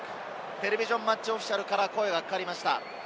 テレビジョン・マッチ・オフィシャルから声がかかりました。